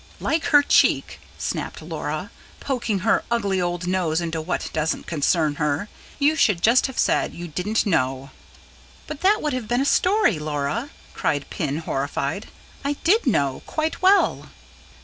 "Like her cheek!" snapped Laura. "Poking her ugly old nose into what doesn't concern her. You should just have said you didn't know." "But that would have been a story, Laura!" cried Pin, horrified "I did know quite well."